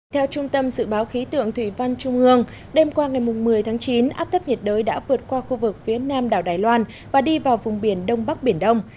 theo trung tâm dự báo khí tượng thủy văn trung ương đêm qua ngày một mươi tháng chín áp thấp nhiệt đới đã vượt qua khu vực phía nam đảo đài loan và đi vào vùng biển đông bắc biển đông